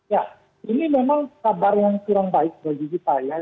ya ini memang kabar yang kurang baik bagi kita ya